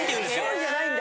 ぽんじゃないんだ。